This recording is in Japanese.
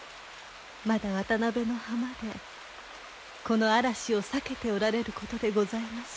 まだ渡辺の浜でこの嵐を避けておられることでございましょう。